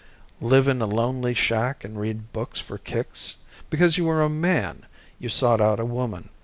Live in a lonely shack and read books for kicks? Because you were a man, you sought out a woman.